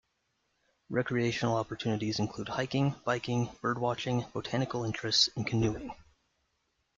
Recreational opportunities include hiking, biking, bird watching, botanical interests, and canoeing.